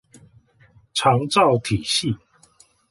長照體系